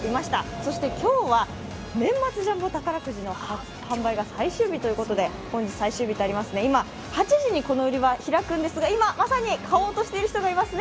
そして今日は年末ジャンボ宝くじの販売が最終日ということで、８時にこの売り場か開くんですが、今まさに買おうとしている人がいますね。